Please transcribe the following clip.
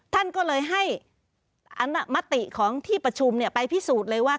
ท่านก็เลยให้มติของที่ประชุมไปพิสูจน์เลยว่า